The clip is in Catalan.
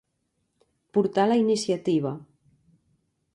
Portar la iniciativa.